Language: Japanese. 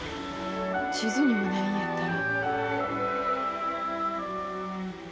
地図にもないんやったら。